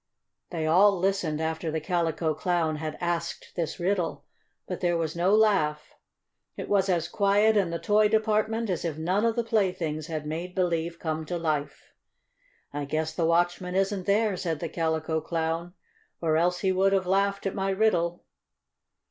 They all listened after the Calico Clown had asked this riddle. But there was no laugh. It was as quiet in the toy department as if none of the playthings had made believe come to life. "I guess the watchman isn't there," said the Calico Clown, "or else he would have laughed at my riddle."